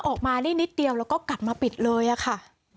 ออกมาได้นิดเดียวแล้วก็กลับมาปิดเลยอะค่ะ